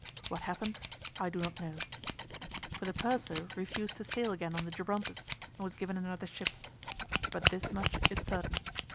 What happened I do not know, for the purser refused to sail again on the Gibrontus, and was given another ship. But this much is certain.